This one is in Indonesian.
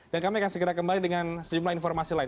dan kami akan segera kembali dengan sejumlah informasi lain